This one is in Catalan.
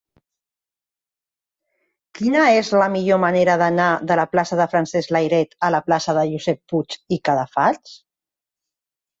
Quina és la millor manera d'anar de la plaça de Francesc Layret a la plaça de Josep Puig i Cadafalch?